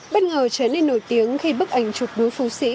bất ngờ trở nên nổi tiếng khi bức ảnh chụp núi phu sĩ